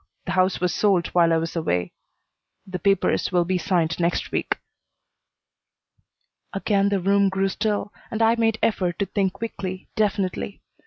The house was sold while I was away. The papers will be signed next week." Again the room grew still and I made effort to think quickly, definitely.